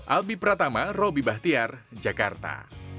albi pratama robby bahtiar jakarta